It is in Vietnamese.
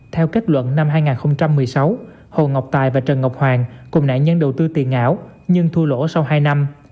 theo kết luận năm hai nghìn một mươi sáu hồ ngọc tài và trần ngọc hoàng cùng nạn nhân đầu tư tiền ảo nhưng thua lỗ sau hai năm